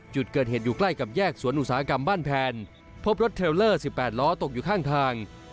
จุดเกิดเหตุอยู่ใกล้กับแยกสวนอุตสาหกรรมบ้านแพนพบรถเทลเลอร์๑๘ล้อตกอยู่ข้างทาง